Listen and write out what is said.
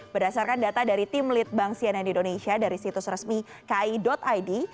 berdasarkan data dari tim lead bank cnn indonesia dari situs resmi ki id